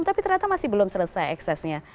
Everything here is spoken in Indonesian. tapi ternyata masih belum selesai eksesnya